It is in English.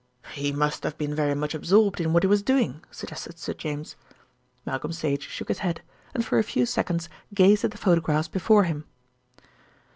'" "He must have been very much absorbed in what he was doing," suggested Sir James. Malcolm Sage shook his head, and for a few seconds gazed at the photographs before him.